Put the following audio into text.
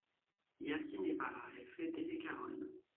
¡ ya tiene para el flete de Carón!...